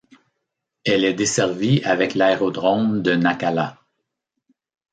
Elle est desservie avec l'Aérodrome de Nacala.